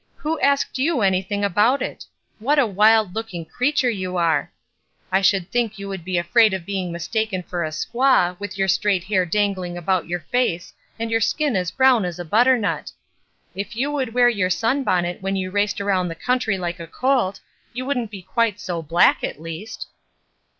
Who asked you anything about it? What a wild looking creature you are ! I should think you would THORNS 39 be afraid of being mistaken for a squaw, with your straight hair dangling about your face and your skin as brown as a butternut. If you would wear your sunbonnet when you raced around the country like a colt, you wouldn't be quite so black, at least.'